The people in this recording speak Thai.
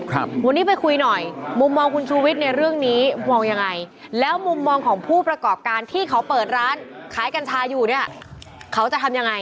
ครับวันนี้ไปคุยหน่อยมุมมองคุณชูวิทย์ในเรื่องนี้มองยังไงแล้วมุมมองของผู้ประกอบการที่เขาเปิดร้านขายกัญชาอยู่เนี่ยเขาจะทำยังไง